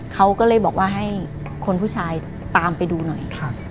เขาก็เลยบอกว่าให้คนผู้ชายตามไปดูหน่อย